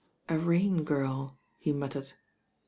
"A rain girl," he muttered.